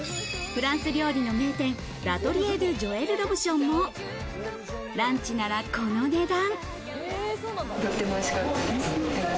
フランス料理の名店「ラトリエドゥジョエル・ロブション」もランチなら、この値段。